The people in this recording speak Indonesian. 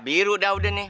biru dah udah nih